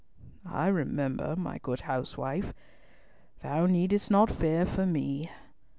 "I remember, my good housewife. Thou needst not fear for me.